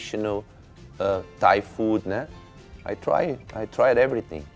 แต่ก็จะมีทุกข้าวที่เทศนียนต์